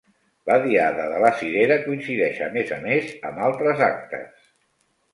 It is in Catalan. La Diada de la Cirera coincideix, a més a més, amb altres actes.